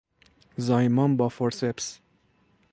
زایمان با فورسپس